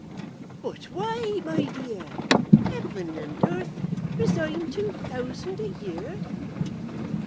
"But why, my dear? Heaven and earth! Resign two thousand a year!"